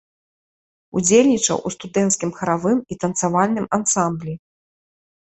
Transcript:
Удзельнічаў у студэнцкім харавым і танцавальным ансамблі.